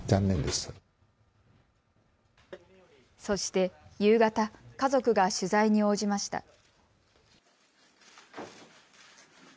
そして夕方、家族が取材に応じました。